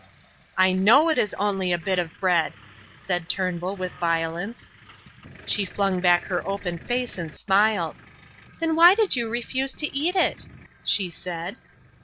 "I know it is only a bit of bread," said Turnbull, with violence. She flung back her open face and smiled. "Then why did you refuse to eat it?" she said.